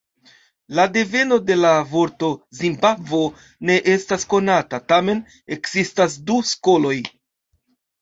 La deveno de la vorto "Zimbabvo" ne estas konata, tamen ekzistas du skoloj.